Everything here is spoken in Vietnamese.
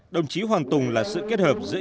đồng chí hoàng tùng là sự kết hợp giữa